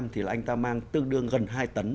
thì là anh ta mang tương đương gần hai tấn